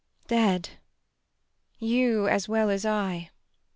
Dead, you as well as I.